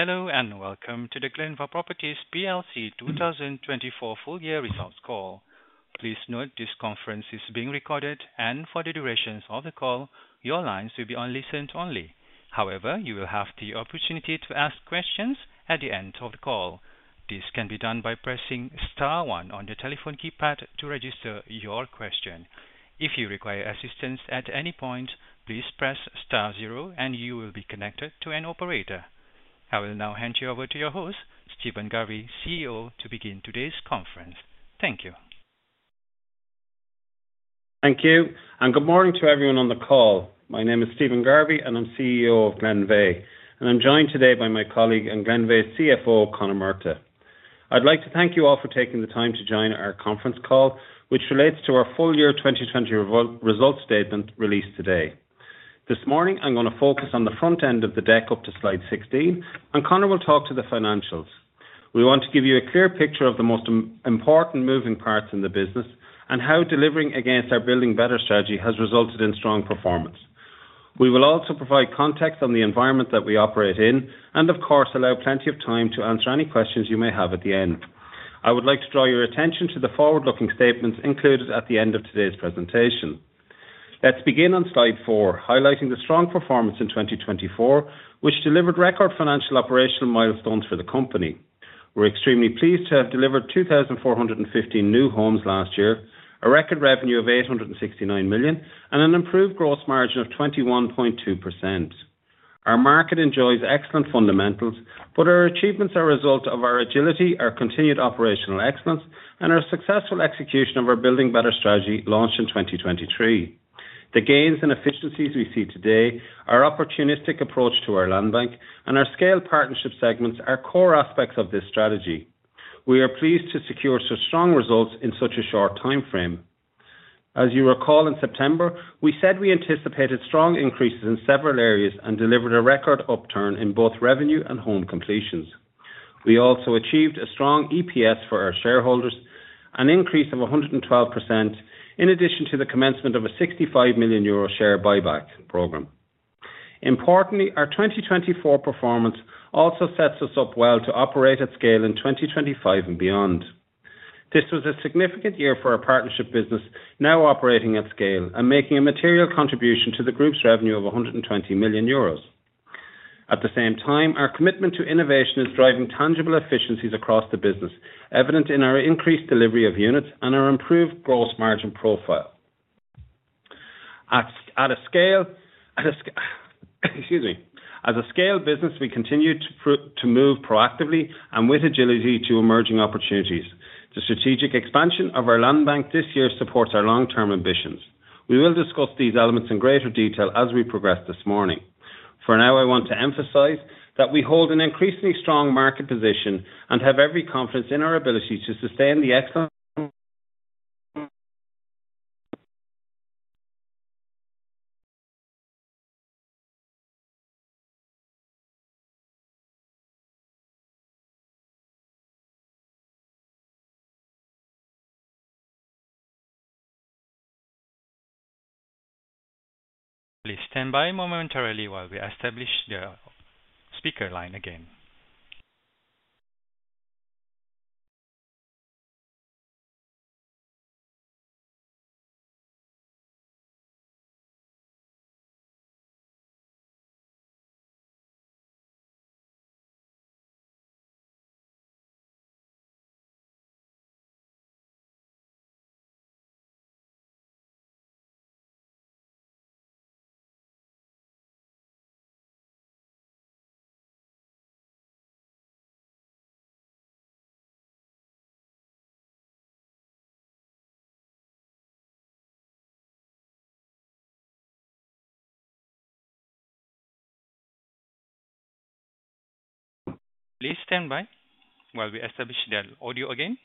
Hello and welcome to the Glenveagh Properties 2024 full-year results call. Please note this conference is being recorded, and for the duration of the call, your lines will be on listen only. However, you will have the opportunity to ask questions at the end of the call. This can be done by pressing star one on the telephone keypad to register your question. If you require assistance at any point, please press star zero, and you will be connected to an operator. I will now hand you over to your host, Stephen Garvey, CEO, to begin today's conference. Thank you. Thank you, and good morning to everyone on the call. My name is Stephen Garvey, and I'm CEO of Glenveagh, and I'm joined today by my colleague and Glenveagh CFO, Conor Murtagh. I'd like to thank you all for taking the time to join our conference call, which relates to our full-year 2020 results statement released today. This morning, I'm going to focus on the front end of the deck up to slide 16, and Conor will talk to the financials. We want to give you a clear picture of the most important moving parts in the business and how delivering against our Building Better strategy has resulted in strong performance. We will also provide context on the environment that we operate in and, of course, allow plenty of time to answer any questions you may have at the end. I would like to draw your attention to the forward-looking statements included at the end of today's presentation. Let's begin on slide four, highlighting the strong performance in 2024, which delivered record financial operational milestones for the company. We're extremely pleased to have delivered 2,415 new homes last year, a record revenue of 869 million, and an improved gross margin of 21.2%. Our market enjoys excellent fundamentals, but our achievements are a result of our agility, our continued operational excellence, and our successful execution of our Building Better strategy launched in 2023. The gains and efficiencies we see today, our opportunistic approach to our land bank, and our scale partnership segments are core aspects of this strategy. We are pleased to secure such strong results in such a short time frame. As you recall, in September, we said we anticipated strong increases in several areas and delivered a record upturn in both revenue and home completions. We also achieved a strong EPS for our shareholders, an increase of 112%, in addition to the commencement of a 65 million euro share buyback program. Importantly, our 2024 performance also sets us up well to operate at scale in 2025 and beyond. This was a significant year for our partnership business, now operating at scale and making a material contribution to the group's revenue of 120 million euros. At the same time, our commitment to innovation is driving tangible efficiencies across the business, evident in our increased delivery of units and our improved gross margin profile. At a scale business, we continue to move proactively and with agility to emerging opportunities. The strategic expansion of our land bank this year supports our long-term ambitions. We will discuss these elements in greater detail as we progress this morning. For now, I want to emphasize that we hold an increasingly strong market position and have every confidence in our ability to sustain the excellent. Please stand by momentarily while we establish the speaker line again. Please stand by while we establish the audio again.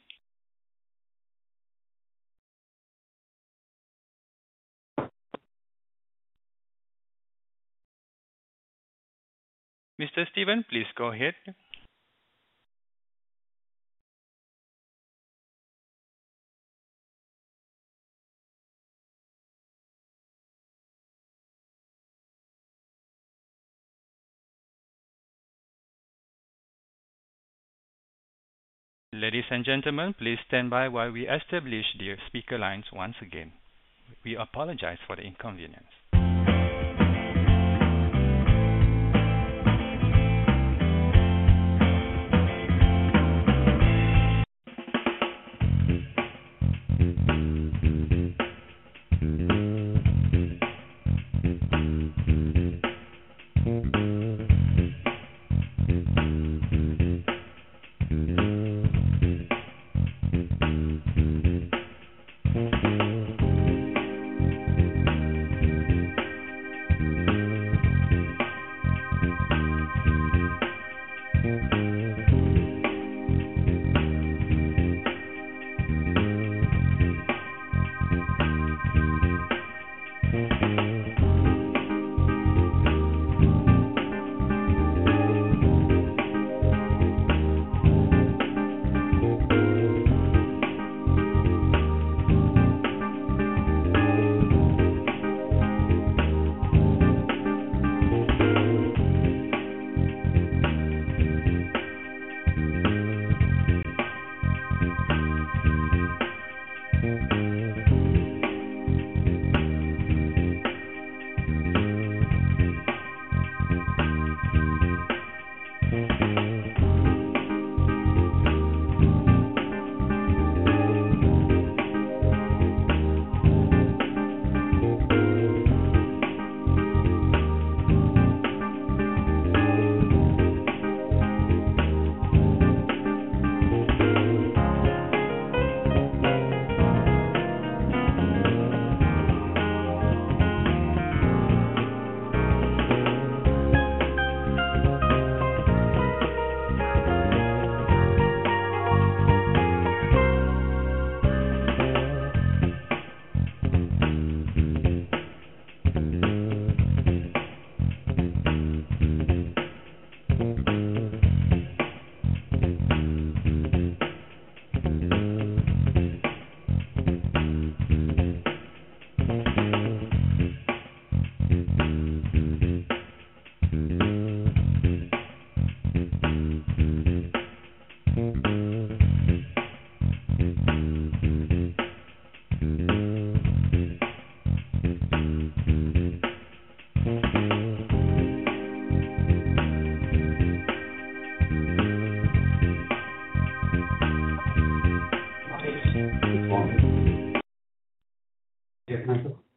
Mr. Stephen, please go ahead. Ladies and gentlemen, please stand by while we establish the speaker lines once again. We apologize for the inconvenience.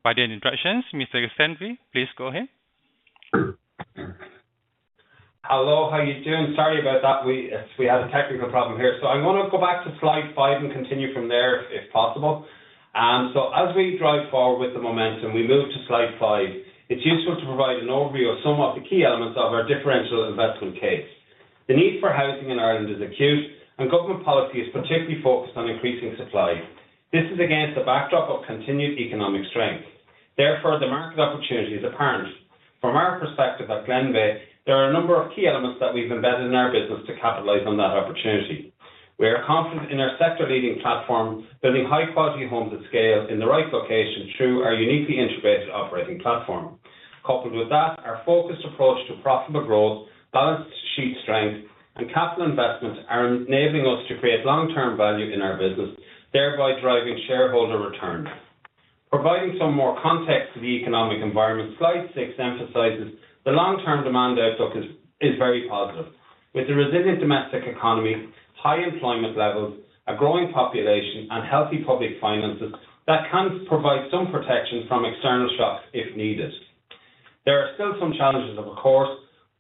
By the introductions, Mr. Stephen, please go ahead. Hello, how are you doing? Sorry about that. We had a technical problem here. I am going to go back to slide five and continue from there if possible. As we drive forward with the momentum, we move to slide five. It is useful to provide an overview of some of the key elements of our differential investment case. The need for housing in Ireland is acute, and government policy is particularly focused on increasing supply. This is against the backdrop of continued economic strength. Therefore, the market opportunity is apparent. From our perspective at Glenveagh, there are a number of key elements that we have embedded in our business to capitalize on that opportunity. We are confident in our sector-leading platform, building high-quality homes at scale in the right location through our uniquely integrated operating platform. Coupled with that, our focused approach to profitable growth, balance sheet strength, and capital investment are enabling us to create long-term value in our business, thereby driving shareholder return. Providing some more context to the economic environment, slide six emphasizes the long-term demand outlook is very positive, with a resilient domestic economy, high employment levels, a growing population, and healthy public finances that can provide some protection from external shocks if needed. There are still some challenges, of course,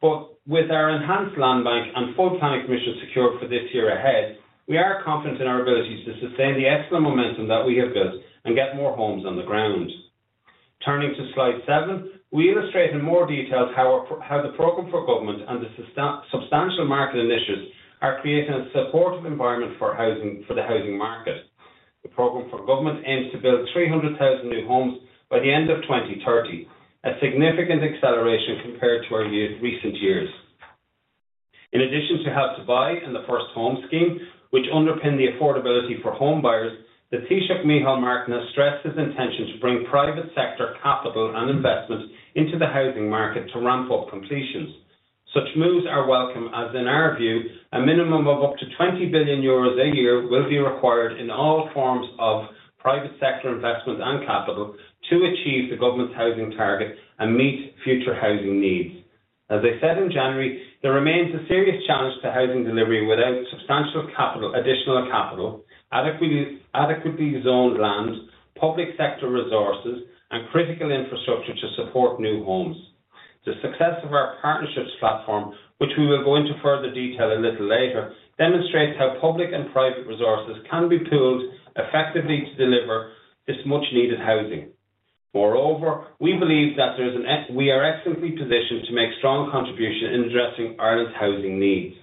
but with our enhanced land bank and full planning commission secured for this year ahead, we are confident in our ability to sustain the excellent momentum that we have built and get more homes on the ground. Turning to slide seven, we illustrate in more detail Programme for Government and the substantial market initiatives are creating a supportive environment for the housing market. Programme for Government aims to build 300,000 new homes by the end of 2030, a significant acceleration compared to our recent years. In addition to Help to Buy and the First Home Scheme, which underpin the affordability for home buyers, the Taoiseach Micheál Martin has stressed its intention to bring private sector capital and investment into the housing market to ramp up completions. Such moves are welcome, as in our view, a minimum of up to 20 billion euros a year will be required in all forms of private sector investment and capital to achieve the government's housing target and meet future housing needs. As I said in January, there remains a serious challenge to housing delivery without substantial additional capital, adequately zoned land, public sector resources, and critical infrastructure to support new homes. The success of our partnerships platform, which we will go into further detail a little later, demonstrates how public and private resources can be pooled effectively to deliver this much-needed housing. Moreover, we believe that we are excellently positioned to make strong contributions in addressing Ireland's housing needs.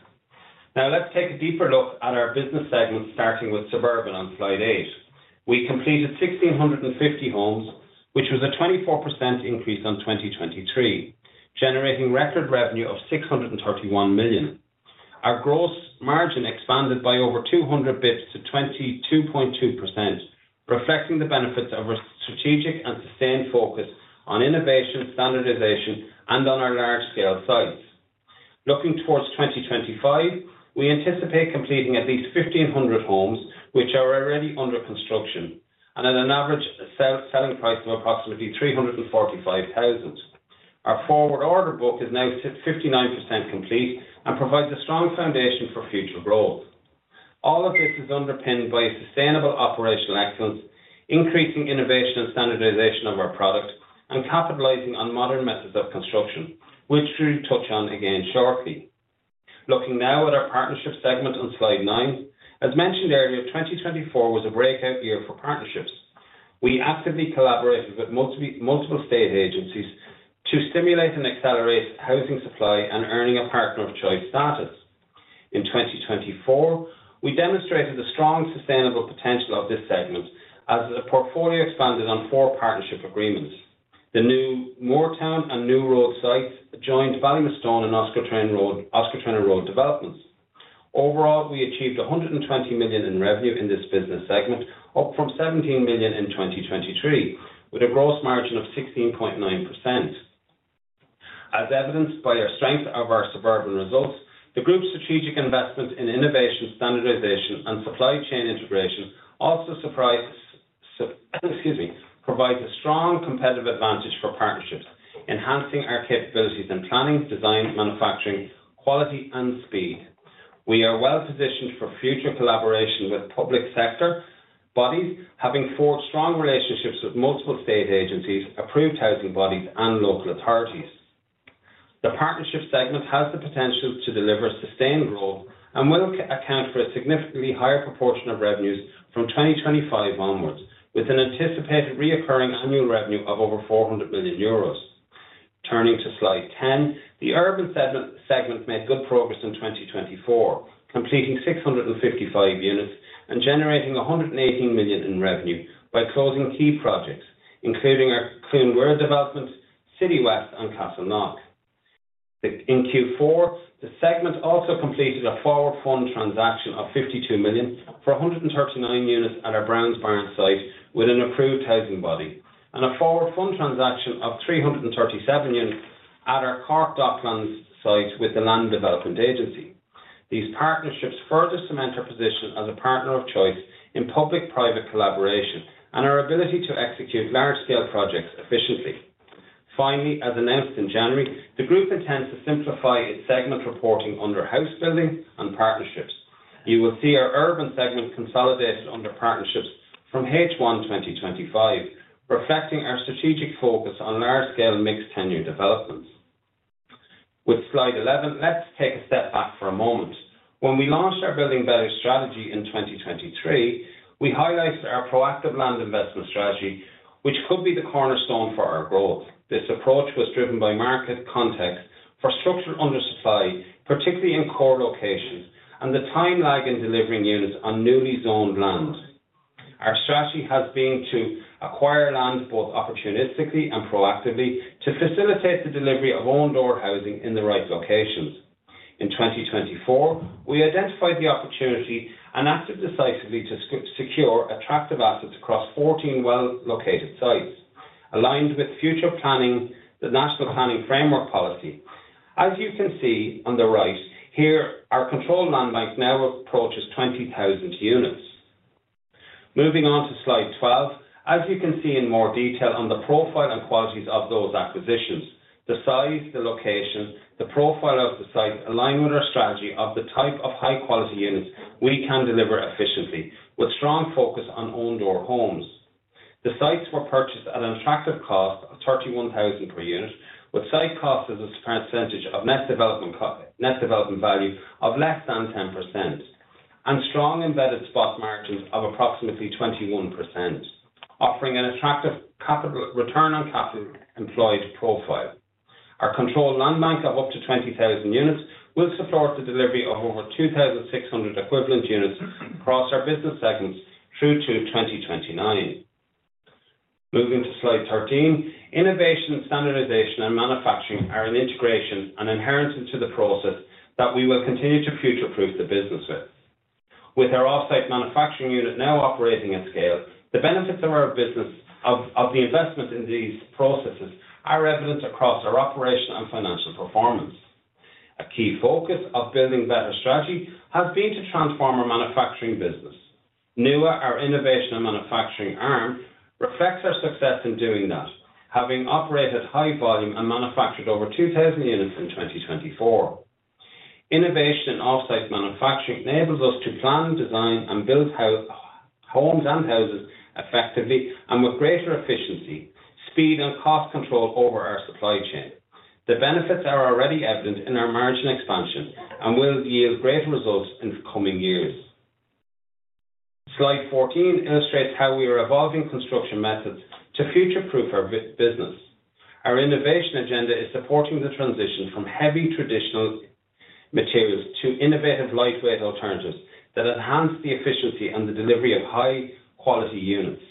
Now, let's take a deeper look at our business segment, starting with suburban on slide eight. We completed 1,650 homes, which was a 24% increase on 2023, generating record revenue of 631 million. Our gross margin expanded by over 200 basis points to 22.2%, reflecting the benefits of a strategic and sustained focus on innovation, standardization, and on our large-scale sites. Looking towards 2025, we anticipate completing at least 1,500 homes, which are already under construction, and at an average selling price of approximately 345,000. Our forward order book is now 59% complete and provides a strong foundation for future growth. All of this is underpinned by sustainable operational excellence, increasing innovation and standardization of our product, and capitalizing on modern methods of construction, which we'll touch on again shortly. Looking now at our partnership segment on slide nine, as mentioned earlier, 2024 was a breakout year for partnerships. We actively collaborated with multiple state agencies to stimulate and accelerate housing supply and earning a partner of choice status. In 2024, we demonstrated the strong sustainable potential of this segment as the portfolio expanded on four partnership agreements. The new Mooretown and New Road sites joined Ballymastone and Oscar Traynor Road developments. Overall, we achieved 120 million in revenue in this business segment, up from 17 million in 2023, with a gross margin of 16.9%. As evidenced by the strength of our suburban results, the group's strategic investment in innovation, standardization, and supply chain integration also provides a strong competitive advantage for partnerships, enhancing our capabilities in planning, design, manufacturing, quality, and speed. We are well positioned for future collaboration with public sector bodies, having forged strong relationships with multiple state agencies, approved housing bodies, and local authorities. The partnership segment has the potential to deliver sustained growth and will account for a significantly higher proportion of revenues from 2025 onwards, with an anticipated reoccurring annual revenue of over 400 million euros. Turning to slide 10, the urban segment made good progress in 2024, completing 655 units and generating 118 million in revenue by closing key projects, including our Cluain Mhuire development, Citywest, and Castleknock. In Q4, the segment also completed a forward fund transaction of 52 million for 139 units at our Brownsbarn site with an approved housing body, and a forward fund transaction of 337 units at our Cork Docklands site with the Land Development Agency. These partnerships further cement our position as a partner of choice in public-private collaboration and our ability to execute large-scale projects efficiently. Finally, as announced in January, the group intends to simplify its segment reporting under house building and partnerships. You will see our urban segment consolidated under partnerships from H1 2025, reflecting our strategic focus on large-scale mixed-tenure developments. With slide 11, let's take a step back for a moment. When we launched our building value strategy in 2023, we highlighted our proactive land investment strategy, which could be the cornerstone for our growth. This approach was driven by market context for structural undersupply, particularly in core locations, and the time lag in delivering units on newly zoned land. Our strategy has been to acquire land both opportunistically and proactively to facilitate the delivery of own-door housing in the right locations. In 2024, we identified the opportunity and acted decisively to secure attractive assets across 14 well-located sites, aligned with future planning, the National Planning Framework policy. As you can see on the right, here, our controlled land bank now approaches 20,000 units. Moving on to slide 12, as you can see in more detail on the profile and qualities of those acquisitions, the size, the location, the profile of the site aligns with our strategy of the type of high-quality units we can deliver efficiently, with strong focus on own-door homes. The sites were purchased at an attractive cost of 31,000 per unit, with site costs as a percentage of net development value of less than 10%, and strong embedded spot margins of approximately 21%, offering an attractive capital return on capital employed profile. Our controlled land bank of up to 20,000 units will support the delivery of over 2,600 equivalent units across our business segments through to 2029. Moving to slide 13, innovation, standardization, and manufacturing are an integration and inherent into the process that we will continue to future-proof the business with. With our off-site manufacturing unit now operating at scale, the benefits of our business, of the investment in these processes, are evident across our operational and financial performance. A key focus of Building Better Strategy has been to transform our manufacturing business. NUA, our innovation and manufacturing arm reflects our success in doing that, having operated high volume and manufactured over 2,000 units in 2024. Innovation in off-site manufacturing enables us to plan, design, and build homes and houses effectively and with greater efficiency, speed, and cost control over our supply chain. The benefits are already evident in our margin expansion and will yield greater results in the coming years. Slide 14 illustrates how we are evolving construction methods to future-proof our business. Our innovation agenda is supporting the transition from heavy traditional materials to innovative lightweight alternatives that enhance the efficiency and the delivery of high-quality units.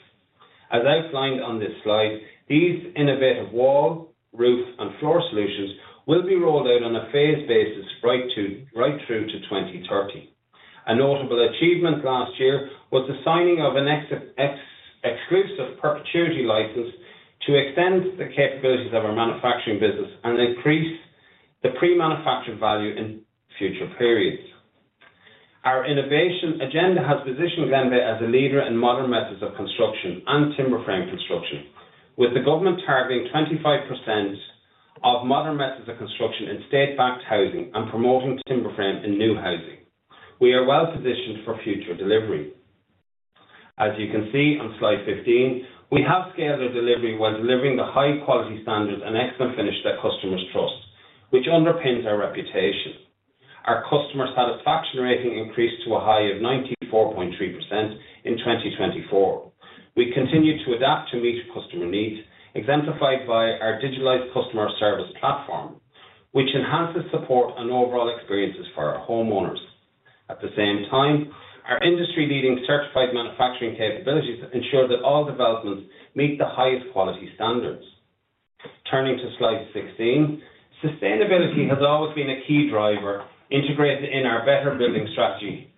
As outlined on this slide, these innovative wall, roof, and floor solutions will be rolled out on a phased basis right through to 2030. A notable achievement last year was the signing of an exclusive perpetuity license to extend the capabilities of our manufacturing business and increase the pre-manufactured value in future periods. Our innovation agenda has positioned Glenveagh as a leader in modern methods of construction and timber frame construction, with the government targeting 25% of modern methods of construction in state-backed housing and promoting timber frame in new housing. We are well positioned for future delivery. As you can see on slide 15, we have scaled our delivery while delivering the high-quality standards and excellent finish that customers trust, which underpins our reputation. Our customer satisfaction rating increased to a high of 94.3% in 2024. We continue to adapt to meet customer needs, exemplified by our digitalized customer service platform, which enhances support and overall experiences for our homeowners. At the same time, our industry-leading certified manufacturing capabilities ensure that all developments meet the highest quality standards. Turning to slide 16, sustainability has always been a key driver integrated in our Building Better Strategy.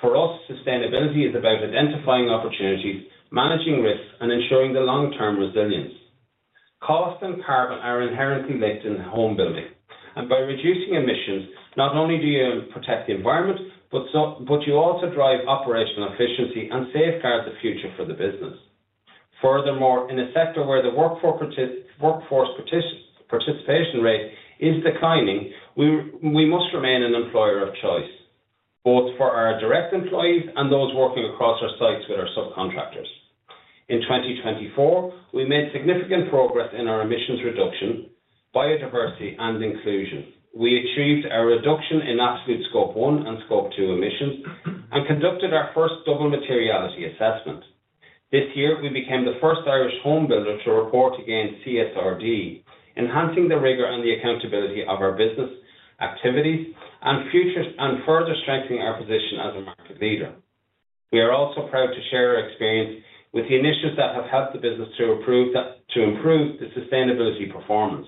For us, sustainability is about identifying opportunities, managing risks, and ensuring the long-term resilience. Cost and carbon are inherently linked in home building, and by reducing emissions, not only do you protect the environment, but you also drive operational efficiency and safeguard the future for the business. Furthermore, in a sector where the workforce participation rate is declining, we must remain an employer of choice, both for our direct employees and those working across our sites with our subcontractors. In 2024, we made significant progress in our emissions reduction, biodiversity, and inclusion. We achieved a reduction in absolute Scope One and Scope Two emissions and conducted our first double materiality assessment. This year, we became the first Irish home builder to report against CSRD, enhancing the rigor and the accountability of our business activities and further strengthening our position as a market leader. We are also proud to share our experience with the initiatives that have helped the business to improve the sustainability performance.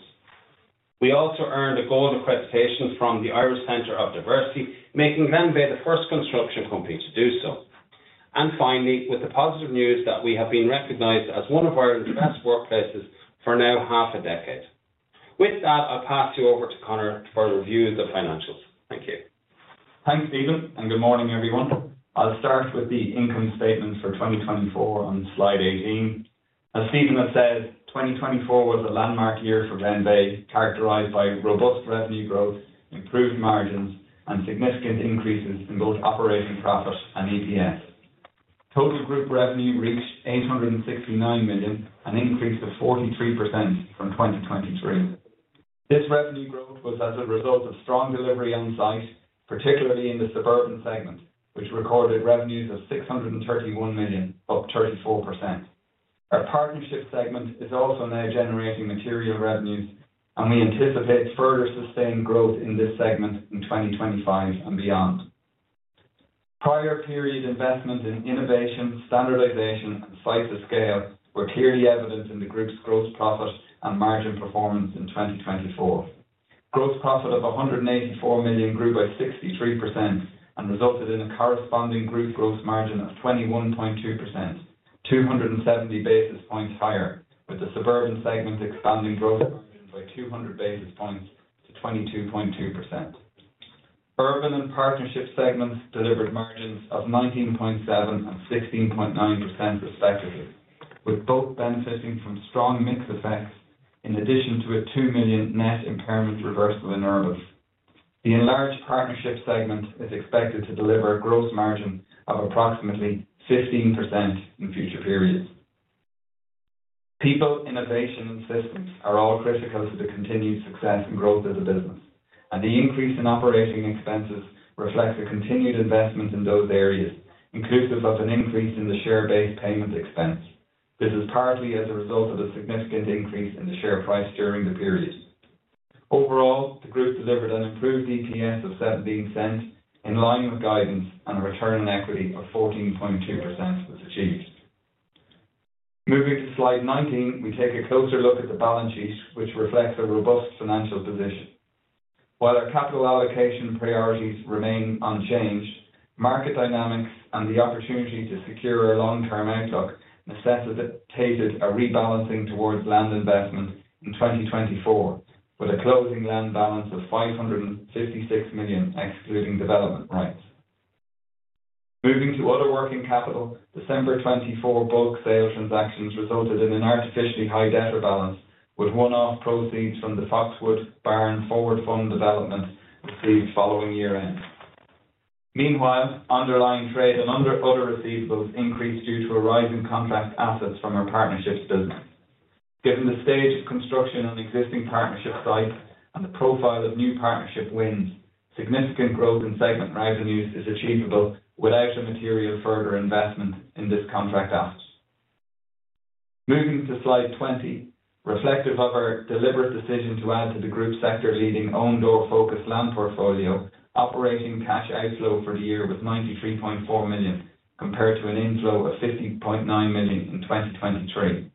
We also earned a gold accreditation from the Irish Centre for Diversity, making Glenveagh the first construction company to do so. Finally, with the positive news that we have been recognized as one of Ireland's best workplaces for now half a decade. With that, I'll pass you over to Conor for a review of the financials. Thank you. Thanks, Stephen, and good morning, everyone. I'll start with the income statement for 2024 on slide 18. As Stephen has said, 2024 was a landmark year for Glenveagh, characterized by robust revenue growth, improved margins, and significant increases in both operating profit and EPS. Total group revenue reached 869 million and increased to 43% from 2023. This revenue growth was as a result of strong delivery on site, particularly in the suburban segment, which recorded revenues of 631 million, up 34%. Our partnership segment is also now generating material revenues, and we anticipate further sustained growth in this segment in 2025 and beyond. Prior period investment in innovation, standardization, and size of scale were clearly evident in the group's gross profit and margin performance in 2024. Gross profit of 184 million grew by 63% and resulted in a corresponding group gross margin of 21.2%, 270 basis points higher, with the suburban segment expanding gross margin by 200 basis points to 22.2%. Urban and partnership segments delivered margins of 19.7% and 16.9%, respectively, with both benefiting from strong mix effects in addition to a 2 million net impairment reversal in earnings. The enlarged partnership segment is expected to deliver a gross margin of approximately 15% in future periods. People, innovation, and systems are all critical to the continued success and growth of the business, and the increase in operating expenses reflects a continued investment in those areas, inclusive of an increase in the share-based payment expense. This is partly as a result of a significant increase in the share price during the period. Overall, the group delivered an improved EPS of 0.17, in line with guidance, and a return on equity of 14.2% was achieved. Moving to slide 19, we take a closer look at the balance sheet, which reflects a robust financial position. While our capital allocation priorities remain unchanged, market dynamics and the opportunity to secure a long-term outlook necessitated a rebalancing towards land investment in 2024, with a closing land balance of 556 million excluding development rights. Moving to other working capital, December 2024 bulk sale transactions resulted in an artificially high debtor balance, with one-off proceeds from the Foxwood Barn Forward Fund development received following year-end. Meanwhile, underlying trade and other receivables increased due to a rise in contract assets from our partnerships business. Given the stage of construction on existing partnership sites and the profile of new partnership wins, significant growth in segment revenues is achievable without a material further investment in this contract asset. Moving to slide 20, reflective of our deliberate decision to add to the group's sector-leading own-door-focused land portfolio, operating cash outflow for the year was 93.4 million, compared to an inflow of 50.9 million in 2023.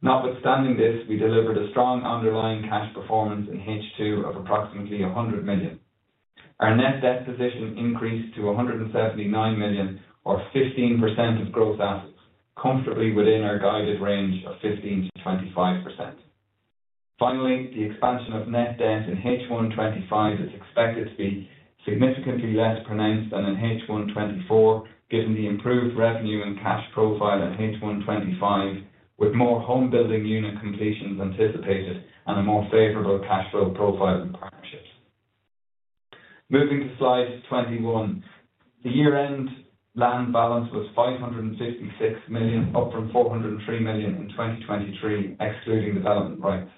Notwithstanding this, we delivered a strong underlying cash performance in H2 of approximately 100 million. Our net debt position increased to 179 million, or 15% of gross assets, comfortably within our guided range of 15%-25%. Finally, the expansion of net debt in H1 2025 is expected to be significantly less pronounced than in H1 2024, given the improved revenue and cash profile in H1 2025, with more home building unit completions anticipated and a more favorable cash flow profile in partnerships. Moving to slide 21, the year-end land balance was 556 million, up from 403 million in 2023, excluding development rights.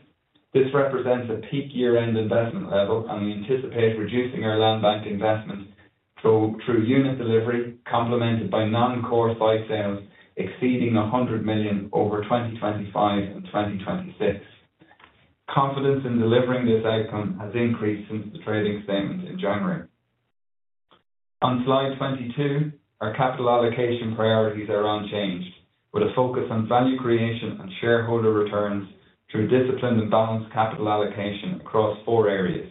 This represents a peak year-end investment level, and we anticipate reducing our land bank investment through unit delivery, complemented by non-core site sales exceeding 100 million over 2025 and 2026. Confidence in delivering this outcome has increased since the trading statement in January. On slide 22, our capital allocation priorities are unchanged, with a focus on value creation and shareholder returns through disciplined and balanced capital allocation across four areas: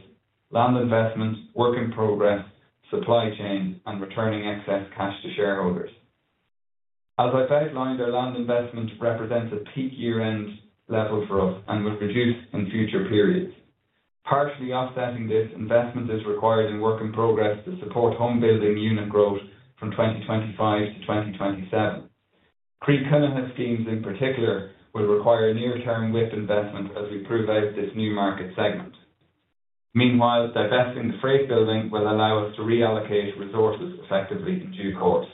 land investment, work in progress, supply chain, and returning excess cash to shareholders. As I've outlined, our land investment represents a peak year-end level for us and will reduce in future periods. Partially offsetting this investment is required in work in progress to support home building unit growth from 2025 to 2027. Croí Cónaithe schemes, in particular, will require near-term WIP investment as we prove out this new market segment. Meanwhile, divesting the Freight Building will allow us to reallocate resources effectively in due course.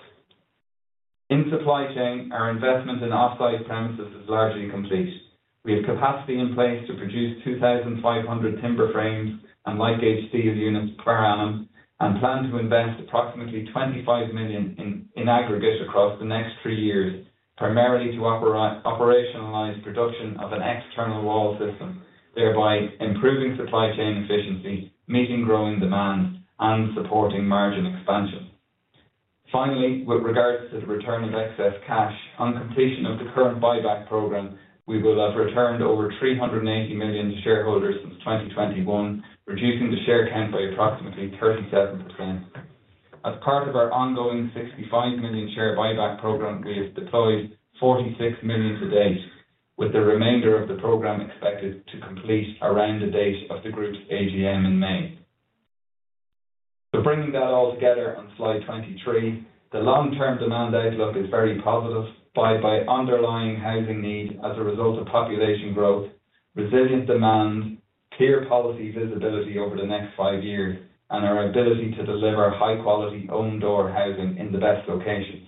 In supply chain, our investment in off-site premises is largely complete. We have capacity in place to produce 2,500 timber frames and lightweight steel units per annum and plan to invest approximately 25 million in aggregate across the next three years, primarily to operationalize production of an external wall system, thereby improving supply chain efficiency, meeting growing demand, and supporting margin expansion. Finally, with regards to the return of excess cash, on completion of the current buyback program, we will have returned over 380 million to shareholders since 2021, reducing the share count by approximately 37%. As part of our ongoing 65 million share buyback program, we have deployed 46 million to date, with the remainder of the program expected to complete around the date of the group's AGM in May. Bringing that all together on slide 23, the long-term demand outlook is very positive, followed by underlying housing need as a result of population growth, resilient demand, clear policy visibility over the next five years, and our ability to deliver high-quality own-door housing in the best locations.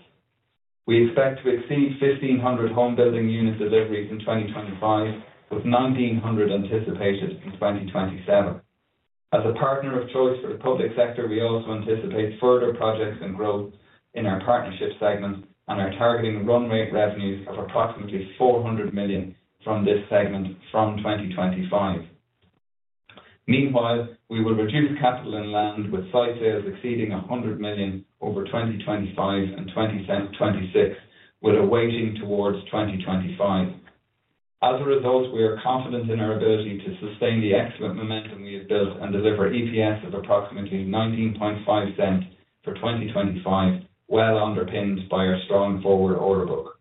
We expect to exceed 1,500 home building unit deliveries in 2025, with 1,900 anticipated in 2027. As a partner of choice for the public sector, we also anticipate further projects and growth in our partnership segment, and are targeting run rate revenues of approximately 400 million from this segment from 2025. Meanwhile, we will reduce capital and land, with site sales exceeding 100 million over 2025 and 2026, with a weighting towards 2025. As a result, we are confident in our ability to sustain the excellent momentum we have built and deliver EPS of approximately 19.50 for 2025, well underpinned by our strong forward order book.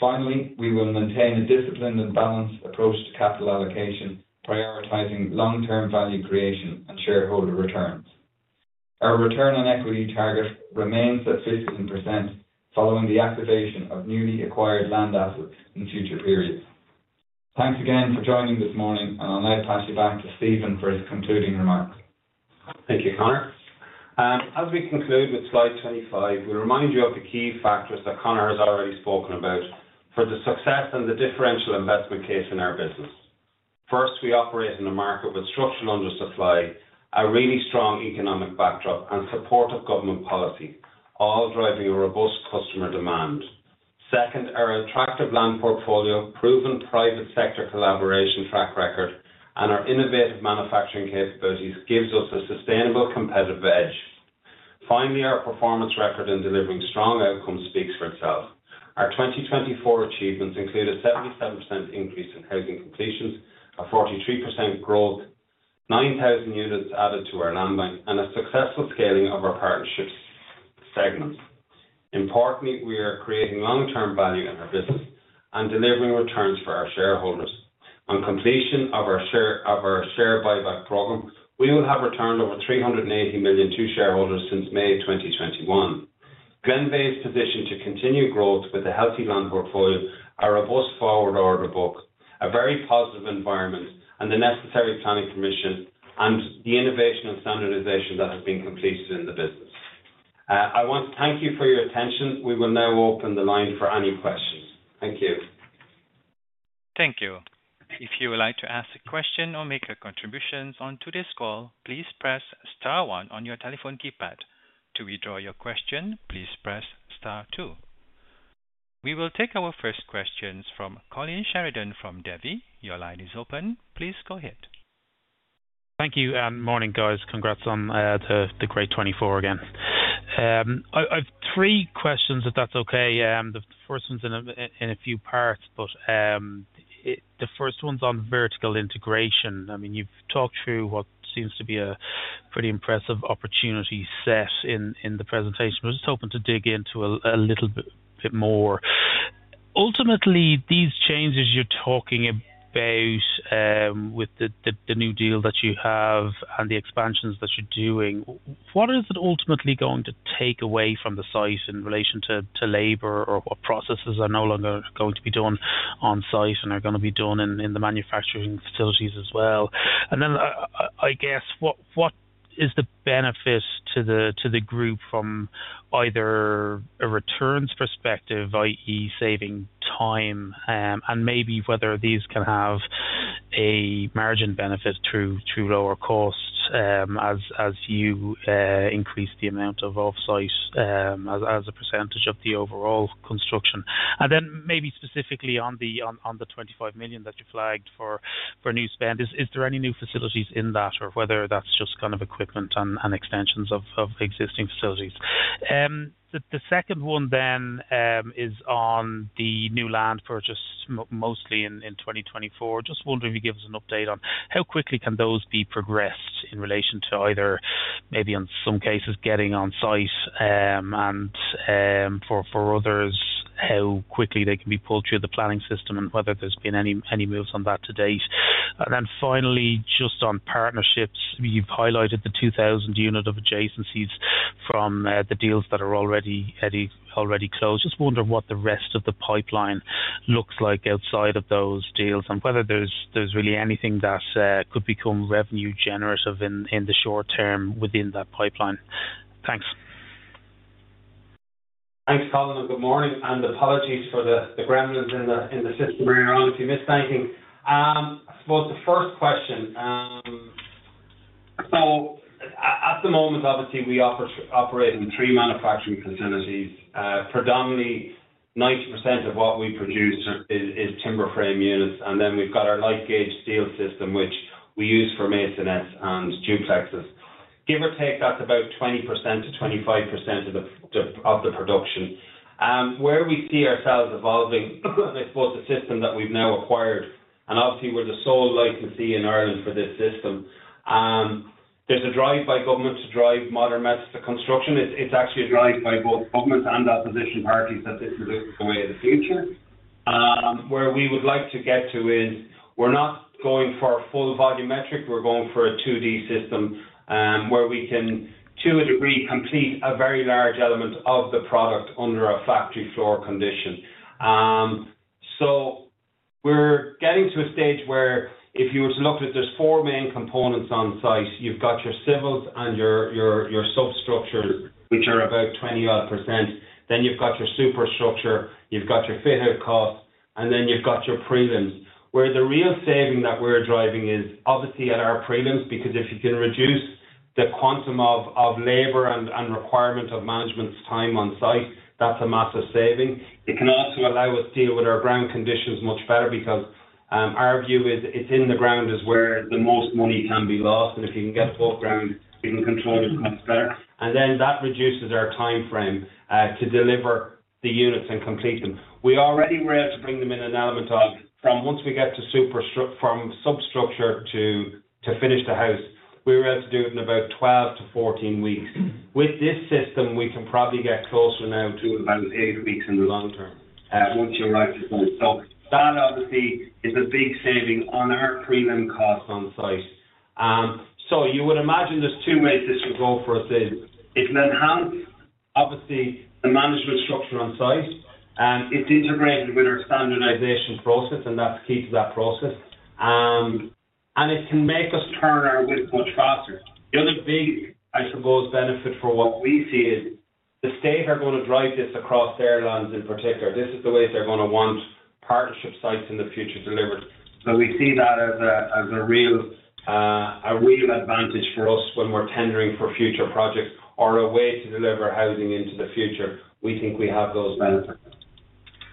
Finally, we will maintain a disciplined and balanced approach to capital allocation, prioritizing long-term value creation and shareholder returns. Our return on equity target remains at 15%, following the activation of newly acquired land assets in future periods. Thanks again for joining this morning, and I'll now pass you back to Stephen for his concluding remarks. Thank you, Conor. As we conclude with slide 25, we remind you of the key factors that Conor has already spoken about for the success and the differential investment case in our business. First, we operate in a market with structural undersupply, a really strong economic backdrop, and supportive government policy, all driving a robust customer demand. Second, our attractive land portfolio, proven private sector collaboration track record, and our innovative manufacturing capabilities give us a sustainable competitive edge. Finally, our performance record in delivering strong outcomes speaks for itself. Our 2024 achievements include a 77% increase in housing completions, a 43% growth, 9,000 units added to our land bank, and a successful scaling of our partnership segments. Importantly, we are creating long-term value in our business and delivering returns for our shareholders. On completion of our share buyback program, we will have returned over 380 million to shareholders since May 2021. Glenveagh's position to continue growth with a healthy land portfolio, a robust forward order book, a very positive environment, and the necessary planning permission and the innovation and standardization that have been completed in the business. I want to thank you for your attention. We will now open the line for any questions. Thank you. Thank you. If you would like to ask a question or make a contribution on today's call, please press star one on your telephone keypad. To withdraw your question, please press star two. We will take our first questions from Colin Sheridan from Davy. Your line is open. Please go ahead. Thank you. Morning, guys. Congrats on the great twenty-four again. I have three questions, if that's okay. The first one's in a few parts, but the first one's on vertical integration. I mean, you've talked through what seems to be a pretty impressive opportunity set in the presentation. We're just hoping to dig into a little bit more. Ultimately, these changes you're talking about with the new deal that you have and the expansions that you're doing, what is it ultimately going to take away from the site in relation to labor or what processes are no longer going to be done on site and are going to be done in the manufacturing facilities as well? I guess, what is the benefit to the group from either a returns perspective, i.e., saving time, and maybe whether these can have a margin benefit through lower costs as you increase the amount of off-site as a percentage of the overall construction? Maybe specifically on the 25 million that you flagged for new spend, is there any new facilities in that or whether that's just kind of equipment and extensions of existing facilities? The second one is on the new land purchase, mostly in 2024. Just wondering if you could give us an update on how quickly can those be progressed in relation to either maybe in some cases getting on site and for others, how quickly they can be pulled through the planning system and whether there's been any moves on that to date. Finally, just on partnerships, you've highlighted the 2,000 unit of adjacencies from the deals that are already closed. Just wondering what the rest of the pipeline looks like outside of those deals and whether there's really anything that could become revenue generative in the short term within that pipeline. Thanks. Thanks, Colin. Good morning. Apologies for the gremlins in the system here. I honestly missed anything. For the first question, at the moment, obviously, we operate in three manufacturing facilities. Predominantly, 90% of what we produce is timber frame units, and then we've got our lightweight steel system, which we use for maisonettes and duplexes. Give or take, that's about 20%-25% of the production. Where we see ourselves evolving, and I suppose the system that we've now acquired, obviously, we're the sole licensee in Ireland for this system, there's a drive by government to drive modern methods of construction. It's actually a drive by both governments and opposition parties that this is a way of the future. Where we would like to get to is we're not going for a full volumetric, we're going for a 2D system where we can, to a degree, complete a very large element of the product under a factory floor condition. We are getting to a stage where if you were to look at it, there are four main components on site. You have your civils and your substructures, which are about 20-odd percent. Then you have your superstructure, you have your fit-out costs, and then you have your prelims. Where the real saving that we're driving is obviously at our prelims because if you can reduce the quantum of labor and requirement of management's time on site, that's a massive saving. It can also allow us to deal with our ground conditions much better because our view is it's in the ground is where the most money can be lost, and if you can get above ground, we can control the cost better. That reduces our time frame to deliver the units and complete them. We already were able to bring them in an element of from once we get to superstructure from substructure to finish the house, we were able to do it in about 12-14 weeks. With this system, we can probably get closer now to about eight weeks in the long term once you're right to finish. That obviously is a big saving on our prelim costs on site. You would imagine there's two ways this will go for us. It can enhance, obviously, the management structure on site. is integrated with our standardization process, and that is key to that process. It can make us turn our work much faster. The other big, I suppose, benefit for what we see is the state are going to drive this across their lands in particular. This is the way they are going to want partnership sites in the future delivered. We see that as a real advantage for us when we are tendering for future projects or a way to deliver housing into the future. We think we have those benefits.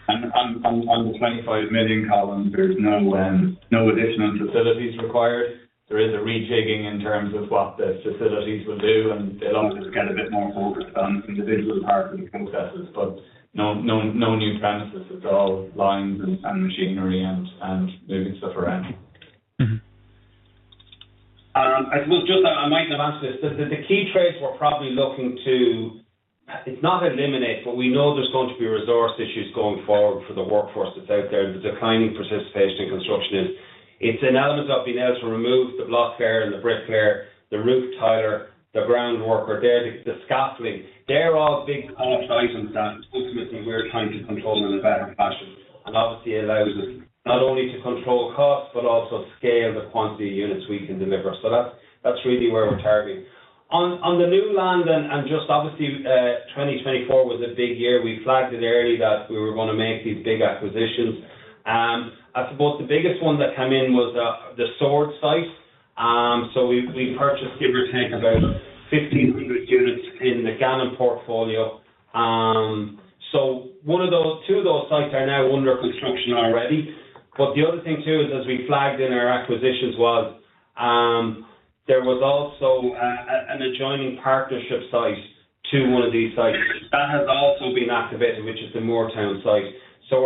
On the 25 million, Colin, there's no additional facilities required. There is a rejigging in terms of what the facilities will do, and they'll obviously get a bit more focused on individual parts of the processes, but no new premises. It's all lines and machinery and moving stuff around. I suppose just I might have asked this. The key trades we're probably looking to, it's not eliminate, but we know there's going to be resource issues going forward for the workforce that's out there. The declining participation in construction is. It's an element of being able to remove the block layer and the brick layer, the roof tiler, the groundworker, the scaffolding. They're all big kind of items that ultimately we're trying to control in a better fashion. It obviously allows us not only to control costs, but also scale the quantity of units we can deliver. That's really where we're targeting. On the new land and just obviously, 2024 was a big year. We flagged it early that we were going to make these big acquisitions. I suppose the biggest one that came in was the Swords site. We purchased, give or take, about 1,500 units in the Gannon portfolio. Two of those sites are now under construction already. The other thing too is, as we flagged in our acquisitions, there was also an adjoining partnership site to one of these sites that has also been activated, which is the Mooretown site. We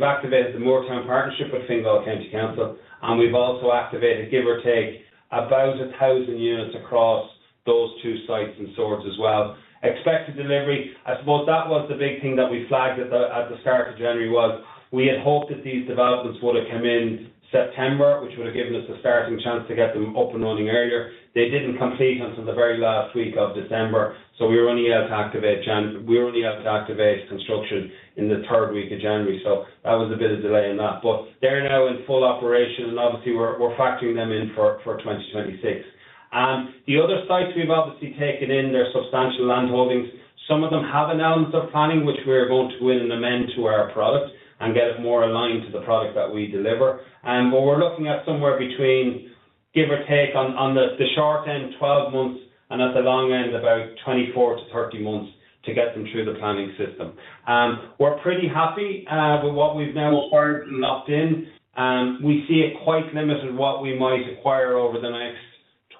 have activated the Mooretown partnership with Fingal County Council, and we have also activated, give or take, about 1,000 units across those two sites in Swords as well. Expected delivery, I suppose that was the big thing that we flagged at the start of January, was we had hoped that these developments would have come in September, which would have given us a starting chance to get them up and running earlier. They did not complete until the very last week of December. We were only able to activate construction in the third week of January. That was a bit of a delay in that. They're now in full operation, and obviously, we're factoring them in for 2026. The other sites we've obviously taken in, they're substantial land holdings. Some of them have an element of planning, which we're going to go in and amend to our product and get it more aligned to the product that we deliver. We're looking at somewhere between, give or take, on the short end, 12 months, and at the long end, about 24-30 months to get them through the planning system. We're pretty happy with what we've now acquired and locked in. We see it quite limited what we might acquire over the next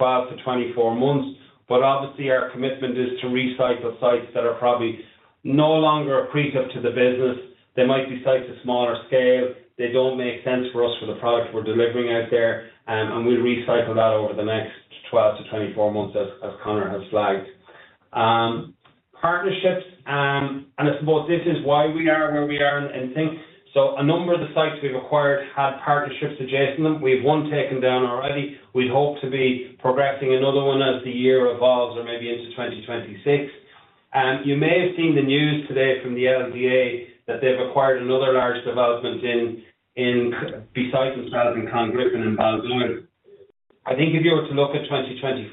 12-24 months. Obviously, our commitment is to recycle sites that are probably no longer appreciative to the business. They might be sites of smaller scale. They do not make sense for us for the product we are delivering out there. We will recycle that over the next 12-24 months, as Conor has flagged. Partnerships, and I suppose this is why we are where we are in things. A number of the sites we have acquired had partnerships adjacent to them. We have one taken down already. We would hope to be progressing another one as the year evolves or maybe into 2026. You may have seen the news today from the LDA that they have acquired another large development beside themselves in Clongriffin and Balgriffin. I think if you were to look at 2024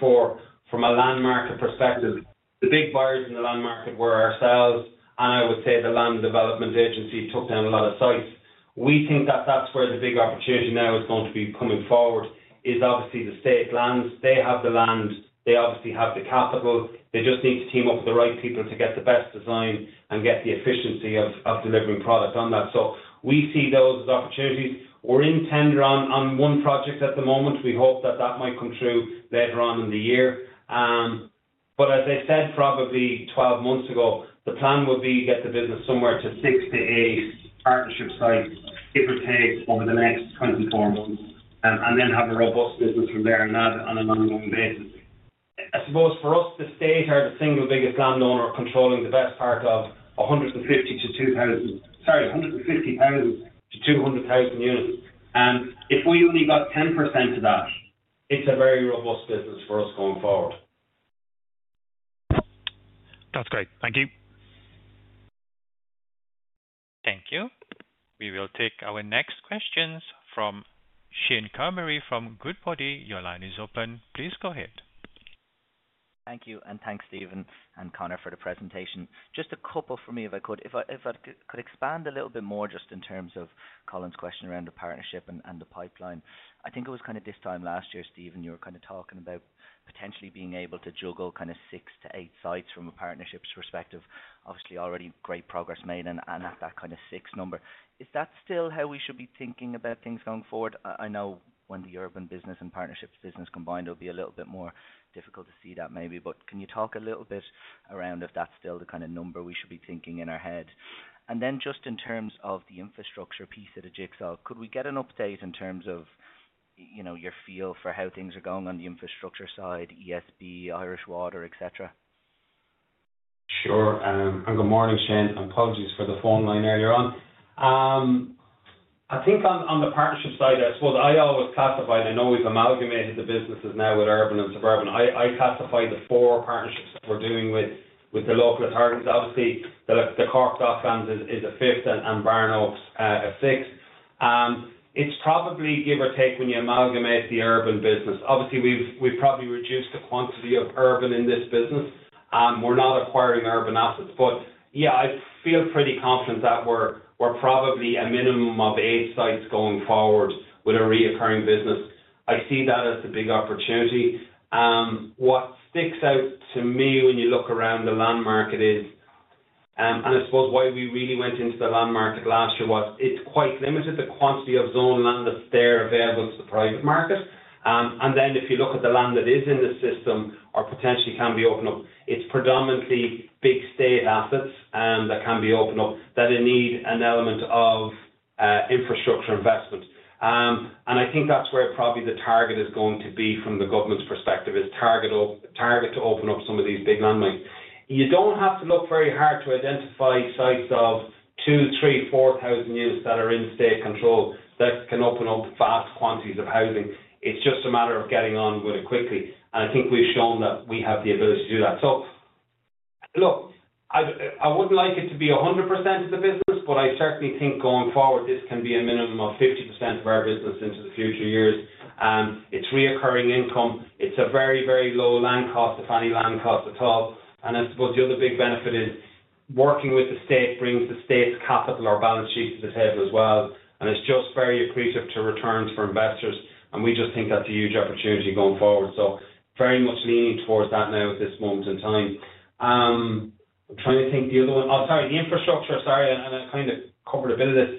from a land market perspective, the big buyers in the land market were ourselves, and I would say the Land Development Agency took down a lot of sites. We think that that's where the big opportunity now is going to be coming forward, is obviously the state lands. They have the land. They obviously have the capital. They just need to team up with the right people to get the best design and get the efficiency of delivering product on that. We see those as opportunities. We're in tender on one project at the moment. We hope that that might come true later on in the year. As I said, probably 12 months ago, the plan would be to get the business somewhere to six to eight partnership sites, give or take, over the next 24 months, and then have a robust business from there on an ongoing basis. I suppose for us, the state are the single biggest land owner controlling the best part of 150,000-200,000 units. If we only got 10% of that, it is a very robust business for us going forward. That's great. Thank you. Thank you. We will take our next questions from Shane Carberry from Goodbody. Your line is open. Please go ahead. Thank you. Thank you, Stephen and Conor, for the presentation. Just a couple for me, if I could. If I could expand a little bit more just in terms of Colin's question around the partnership and the pipeline. I think it was kind of this time last year, Stephen, you were kind of talking about potentially being able to juggle kind of six to eight sites from a partnership's perspective. Obviously, already great progress made and at that kind of six number. Is that still how we should be thinking about things going forward? I know when the urban business and partnerships business combine, it will be a little bit more difficult to see that maybe, but can you talk a little bit around if that is still the kind of number we should be thinking in our head? Just in terms of the infrastructure piece at a jigsaw, could we get an update in terms of your feel for how things are going on the infrastructure side, ESB, Irish Water, etc.? Sure. Good morning, Shane. Apologies for the phone line earlier on. I think on the partnership side, I suppose I always classified and always amalgamated the businesses now with urban and suburban. I classified the four partnerships that we're doing with the local authorities. Obviously, the Cork Docklands is a fifth and Barnoaks a sixth. It's probably, give or take, when you amalgamate the urban business. Obviously, we've probably reduced the quantity of urban in this business. We're not acquiring urban assets. Yeah, I feel pretty confident that we're probably a minimum of eight sites going forward with a recurring business. I see that as the big opportunity. What sticks out to me when you look around the land market is, and I suppose why we really went into the land market last year was it's quite limited, the quantity of zoned land that's there available to the private market. If you look at the land that is in the system or potentially can be opened up, it's predominantly big state assets that can be opened up that need an element of infrastructure investment. I think that's where probably the target is going to be from the government's perspective, is target to open up some of these big landmarks. You don't have to look very hard to identify sites of 2,000, 3,000, 4,000 units that are in state control that can open up vast quantities of housing. It's just a matter of getting on with it quickly. I think we've shown that we have the ability to do that. Look, I wouldn't like it to be 100% of the business, but I certainly think going forward, this can be a minimum of 50% of our business into the future years. It's reoccurring income. It's a very, very low land cost, if any land cost at all. I suppose the other big benefit is working with the state brings the state's capital or balance sheet to the table as well. It's just very appreciative to returns for investors. We just think that's a huge opportunity going forward. Very much leaning towards that now at this moment in time. I'm trying to think the other one. Oh, sorry, the infrastructure. Sorry, I kind of covered a bit of this.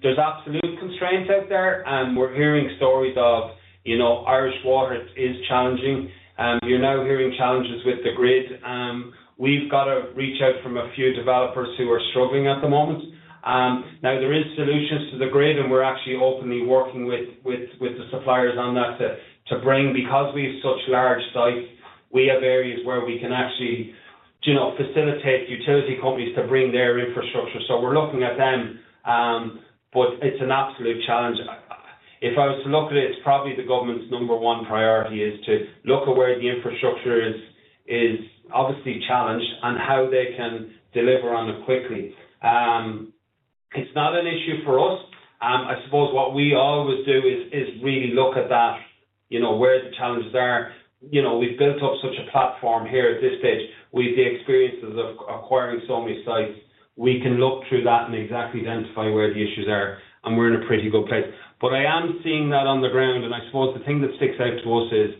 There's absolute constraints out there. We're hearing stories of Irish Water is challenging. You're now hearing challenges with the grid. We've got to reach out from a few developers who are struggling at the moment. There are solutions to the grid, and we're actually openly working with the suppliers on that to bring because we have such large sites. We have areas where we can actually facilitate utility companies to bring their infrastructure. We're looking at them, but it's an absolute challenge. If I was to look at it, it's probably the government's number one priority is to look at where the infrastructure is obviously challenged and how they can deliver on it quickly. It's not an issue for us. I suppose what we always do is really look at that, where the challenges are. We've built up such a platform here at this stage. We have the experiences of acquiring so many sites. We can look through that and exactly identify where the issues are, and we're in a pretty good place. I am seeing that on the ground, and I suppose the thing that sticks out to us is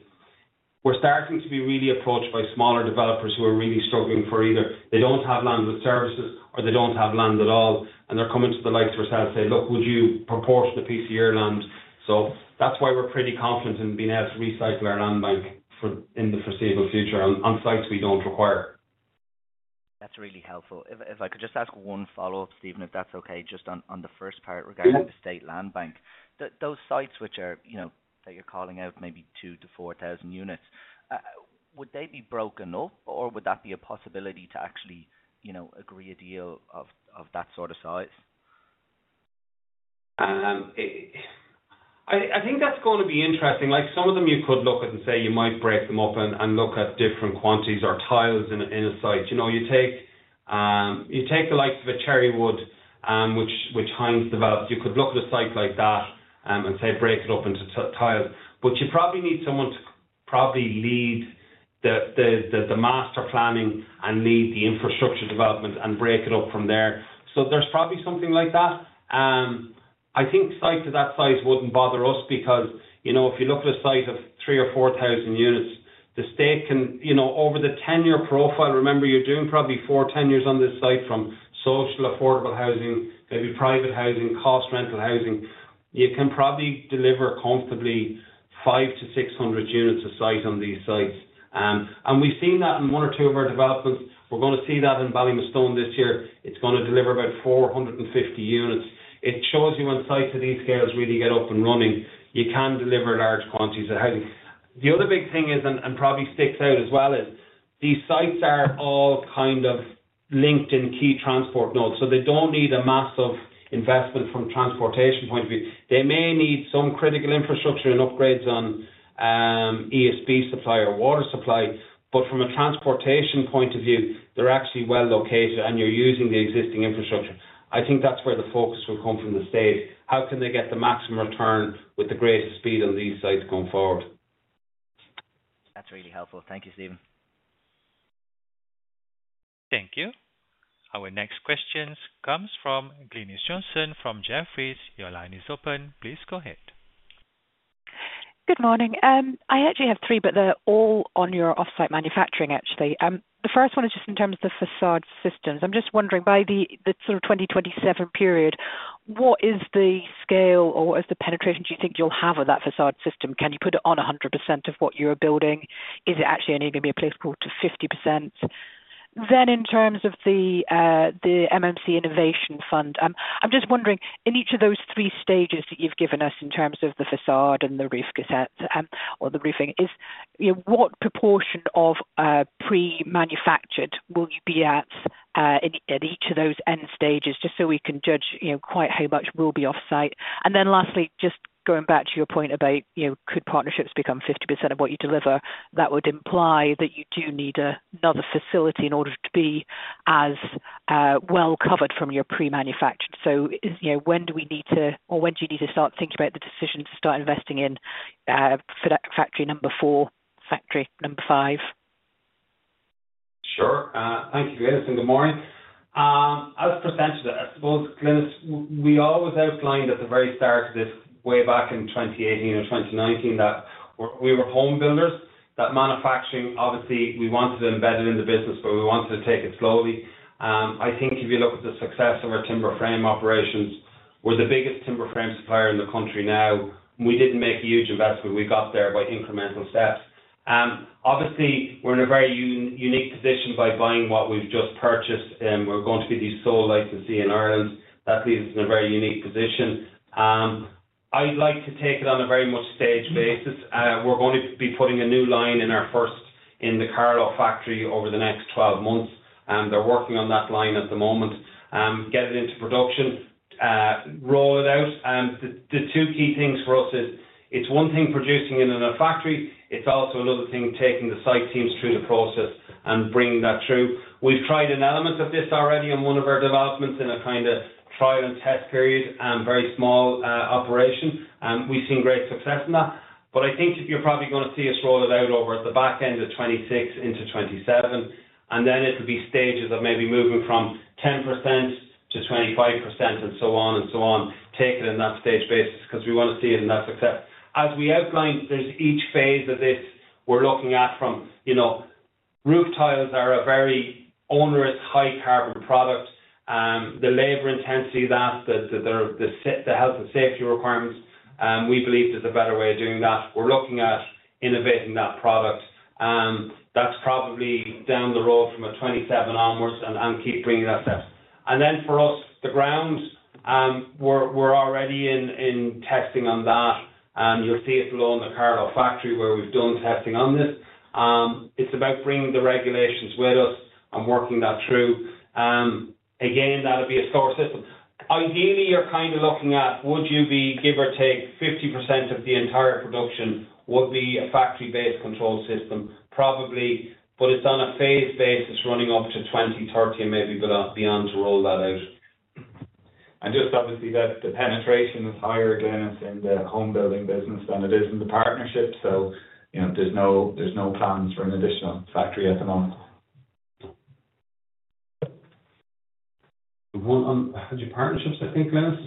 we're starting to be really approached by smaller developers who are really struggling for either they don't have land with services or they don't have land at all, and they're coming to the likes of ourselves and say, "Look, would you proportion a piece of your land?" That is why we're pretty confident in being able to recycle our land bank in the foreseeable future on sites we don't require. That's really helpful. If I could just ask one follow-up, Stephen, if that's okay, just on the first part regarding the state land bank. Those sites which are that you're calling out, maybe 2,000-4,000 units, would they be broken up, or would that be a possibility to actually agree a deal of that sort of size? I think that's going to be interesting. Some of them you could look at and say you might break them up and look at different quantities or tiles in a site. You take the likes of a Cherrywood, which Hines developed. You could look at a site like that and say, "Break it up into tiles." You probably need someone to probably lead the master planning and lead the infrastructure development and break it up from there. There's probably something like that. I think sites of that size wouldn't bother us because if you look at a site of 3,000 or 4,000 units, the state can over the 10-year profile, remember, you're doing probably four, 10 years on this site from social affordable housing, maybe private housing, cost rental housing. You can probably deliver comfortably 500 to 600 units of size on these sites. We have seen that in one or two of our developments. We are going to see that in Ballymastone this year. It is going to deliver about 450 units. It shows you when sites of these scales really get up and running, you can deliver large quantities of housing. The other big thing is, and probably sticks out as well, is these sites are all kind of linked in key transport nodes. They do not need a massive investment from a transportation point of view. They may need some critical infrastructure and upgrades on ESB supply or water supply. From a transportation point of view, they are actually well located, and you are using the existing infrastructure. I think that is where the focus will come from the state. How can they get the maximum return with the greatest speed on these sites going forward? That's really helpful. Thank you, Stephen. Thank you. Our next question comes from Glynis Johnson from Jefferies. Your line is open. Please go ahead. Good morning. I actually have three, but they're all on your off-site manufacturing, actually. The first one is just in terms of the facade systems. I'm just wondering, by the sort of 2027 period, what is the scale or what is the penetration do you think you'll have with that facade system? Can you put it on 100% of what you're building? Is it actually only going to be applicable to 50%? In terms of the MMC Innovation Fund, I'm just wondering, in each of those three stages that you've given us in terms of the facade and the roof cassette or the roofing, what proportion of pre-manufactured will you be at in each of those end stages, just so we can judge quite how much will be off-site? Lastly, just going back to your point about could partnerships become 50% of what you deliver, that would imply that you do need another facility in order to be as well covered from your pre-manufactured. When do we need to or when do you need to start thinking about the decision to start investing in factory number four, factory number five? Sure. Thank you, Glynis, and good morning. I'll just present you that. I suppose, Glynis, we always outlined at the very start of this, way back in 2018 or 2019, that we were home builders, that manufacturing, obviously, we wanted to embed it in the business, but we wanted to take it slowly. I think if you look at the success of our timber frame operations, we're the biggest timber frame supplier in the country now. We didn't make a huge investment. We got there by incremental steps. Obviously, we're in a very unique position by buying what we've just purchased. We're going to be the sole licensee in Ireland. That leaves us in a very unique position. I'd like to take it on a very much staged basis. We're going to be putting a new line in the Carlow factory over the next 12 months. They're working on that line at the moment. Get it into production, roll it out. The two key things for us is it's one thing producing it in a factory. It's also another thing taking the site teams through the process and bringing that through. We've tried an element of this already in one of our developments in a kind of trial and test period, very small operation. We've seen great success in that. I think you're probably going to see us roll it out over at the back end of 2026 into 2027. It'll be stages of maybe moving from 10% to 25% and so on and so on, take it in that stage basis because we want to see it in that success. As we outlined, there's each phase of this we're looking at from roof tiles are a very onerous, high-carbon product. The labor intensity of that, the health and safety requirements, we believe there is a better way of doing that. We are looking at innovating that product. That is probably down the road from 2027 onwards and keep bringing that step. For us, the ground, we are already in testing on that. You will see it below in the Carlow factory where we have done testing on this. It is about bringing the regulations with us and working that through. That will be a store system. Ideally, you are kind of looking at, would you be, give or take, 50% of the entire production would be a factory-based control system, probably, but it is on a phased basis running up to 2030, and maybe beyond to roll that out. Obviously, the penetration is higher, Glynis, in the home building business than it is in the partnership. There are no plans for an additional factory at the moment. Had you partnerships, I think, Glynis?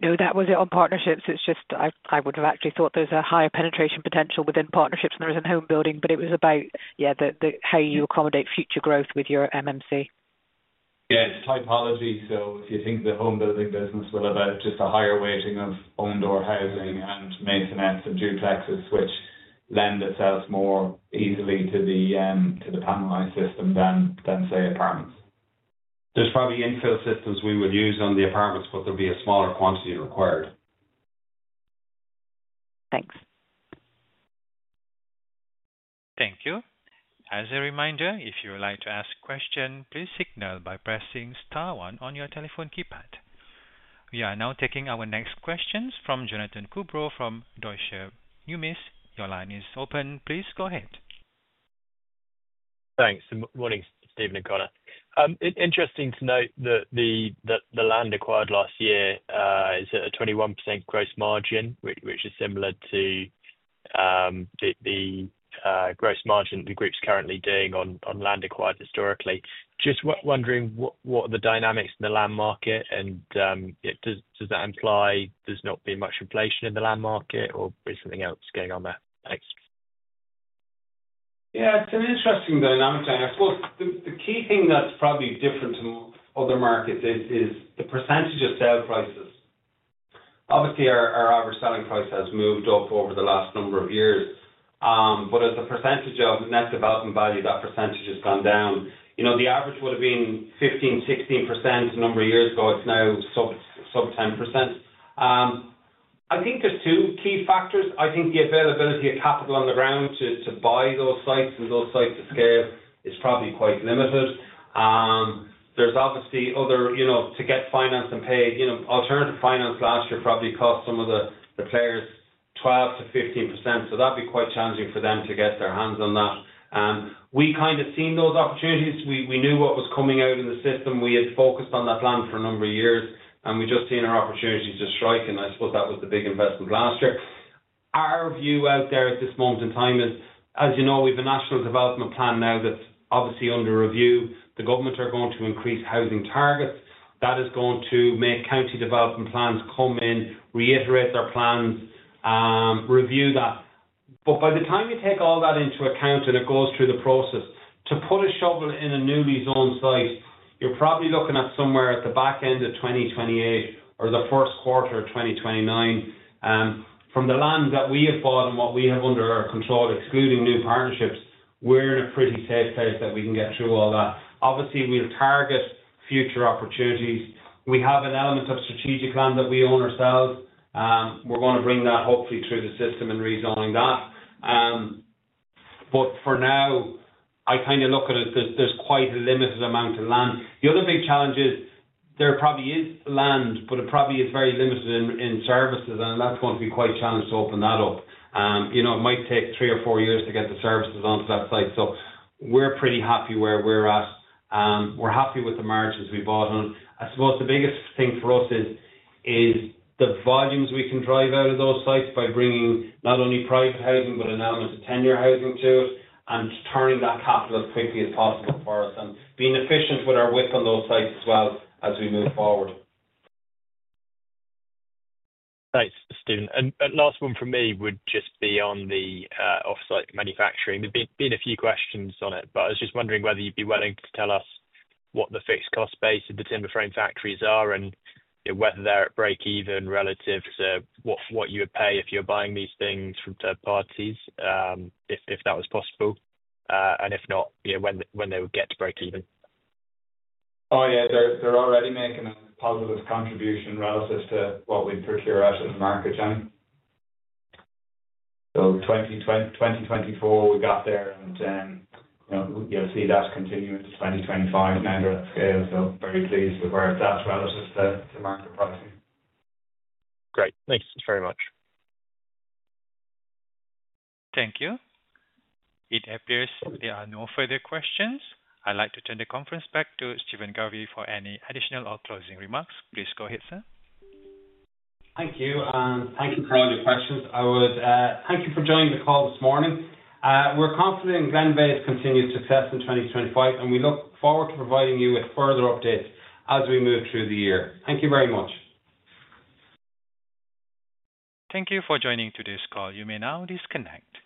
No, that was it on partnerships. It's just I would have actually thought there's a higher penetration potential within partnerships than there is in home building, but it was about, yeah, how you accommodate future growth with your MMC. Yeah, it's typology. If you think the home building business will have just a higher weighting of own-door housing and maisonettes and duplexes, which lend itself more easily to the panelized system than, say, apartments. There's probably infill systems we would use on the apartments, but there'll be a smaller quantity required. Thanks. Thank you. As a reminder, if you would like to ask a question, please signal by pressing star one on your telephone keypad. We are now taking our next questions from Jonathan Coubrough from Deutsche Numis. Your line is open. Please go ahead. Thanks. Good morning, Stephen and Conor. Interesting to note that the land acquired last year is at a 21% gross margin, which is similar to the gross margin that the group's currently doing on land acquired historically. Just wondering what are the dynamics in the land market, and does that imply there's not been much inflation in the land market, or is something else going on there? Thanks. Yeah, it's an interesting dynamic. Of course, the key thing that's probably different from other markets is the percentage of sale prices. Obviously, our average selling price has moved up over the last number of years, but as a percentage of net development value, that percentage has gone down. The average would have been 15%-16% a number of years ago. It's now sub 10%. I think there are two key factors. I think the availability of capital on the ground to buy those sites and those sites to scale is probably quite limited. There's obviously others to get financed and pay. Alternative finance last year probably cost some of the players 12%-15%. That would be quite challenging for them to get their hands on that. We kind of saw those opportunities. We knew what was coming out in the system. We had focused on that land for a number of years, and we just seen our opportunities just striking. I suppose that was the big investment last year. Our view out there at this moment in time is, as you know, we have a National Development Plan now that's obviously under review. The government are going to increase housing targets. That is going to make county development plans come in, reiterate their plans, review that. By the time you take all that into account and it goes through the process, to put a shovel in a newly zoned site, you're probably looking at somewhere at the back end of 2028 or the first quarter of 2029. From the land that we have bought and what we have under our control, excluding new partnerships, we're in a pretty safe place that we can get through all that. Obviously, we'll target future opportunities. We have an element of strategic land that we own ourselves. We're going to bring that hopefully through the system and rezoning that. For now, I kind of look at it as there's quite a limited amount of land. The other big challenge is there probably is land, but it probably is very limited in services, and that's going to be quite challenged to open that up. It might take three or four years to get the services onto that site. We are pretty happy where we're at. We're happy with the margins we bought on. I suppose the biggest thing for us is the volumes we can drive out of those sites by bringing not only private housing, but an element of tenure housing to it and turning that capital as quickly as possible for us and being efficient with our WIP on those sites as well as we move forward. Thanks, Stephen. Last one for me would just be on the off-site manufacturing. There've been a few questions on it, but I was just wondering whether you'd be willing to tell us what the fixed cost base of the timber frame factories are and whether they're at break-even relative to what you would pay if you're buying these things from third parties, if that was possible, and if not, when they would get to break-even. Oh, yeah. They're already making a positive contribution relative to what we procure out of the market, Johnny. In 2024, we got there, and you'll see that continuing to 2025 and under that scale. Very pleased with where it's at relative to market pricing. Great. Thanks very much. Thank you. It appears there are no further questions. I'd like to turn the conference back to Stephen Garvey for any additional or closing remarks. Please go ahead, sir. Thank you. Thank you for all your questions. Thank you for joining the call this morning. We're confident in Glenveagh's continued success in 2025, and we look forward to providing you with further updates as we move through the year. Thank you very much. Thank you for joining today's call. You may now disconnect.